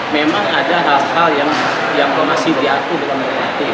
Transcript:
memang ada hal hal yang masih diatur dalam negatif